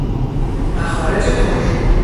مخارج تولید